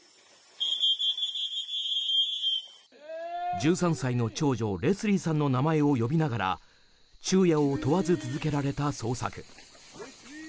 １３歳の長女レスリーさんの名前を呼びながら昼夜を問わず続けられた捜索。